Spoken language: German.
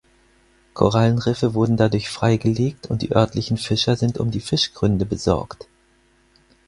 Korallenriffe wurden dadurch freigelegt und die örtlichen Fischer sind um die Fischgründe besorgt.